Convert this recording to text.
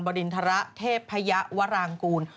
บอสตริณฐระเทพพระยาวรางกูล